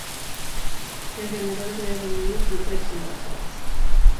La enfermedad es grave en niños y mujeres embarazadas.